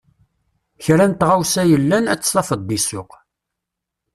Kra n tɣawsa yellan, ad tt-tafeḍ deg ssuq.